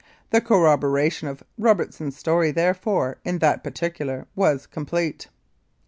The corrobora tion of Robertson's story, therefore, in that particular was complete.